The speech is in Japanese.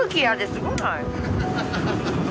すごない？